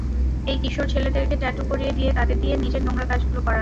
এই কিশোর ছেলেদেরকে ট্যাটু করিয়ে দিয়ে তাদের দিয়ে নিজের নোংরা কাজগুলো করানো।